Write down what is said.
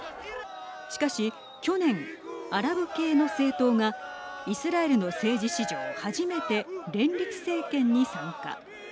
しかし、去年アラブ系の政党がイスラエルの政治史上初めて連立政権に参加。